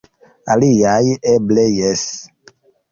Aliaj eble jes.